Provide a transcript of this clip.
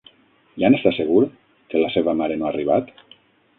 Ja n'està segur que la seva mare no ha arribat?